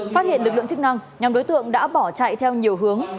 phát hiện lực lượng chức năng nhóm đối tượng đã bỏ chạy theo nhiều hướng